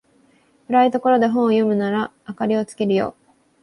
暗いところで本を読むなら明かりつけるよ